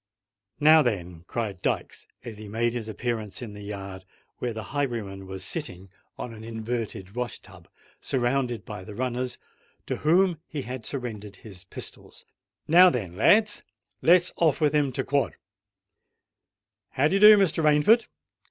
"Now, then," cried Dykes, as he made his appearance in the yard, where the highwayman was sitting on an inverted wash tub, surrounded by the runners, to whom he had surrendered his pistols;—"now, then lads—let's off with him to quod. How d'ye do, Mr. Rainford!